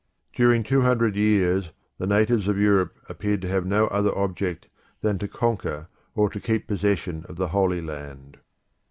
During two hundred years, the natives of Europe appeared to have no other object than to conquer or to keep possession of the Holy Land.